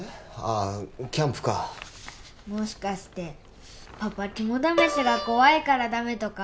ああキャンプかもしかしてパパきもだめしが怖いからダメとか？